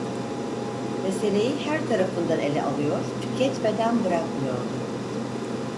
Meseleyi her tarafından ele alıyor, tüketmeden bırakmıyordu.